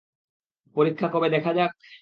পরীক্ষা করে দেখা যাক?